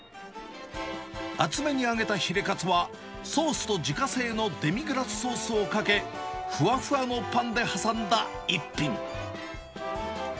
厚めに揚げたヒレカツは、ソースと自家製のデミグラスソースをかけ、ふわふわのパンで挟んだ逸品。